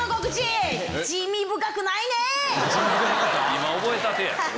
今覚えたてや。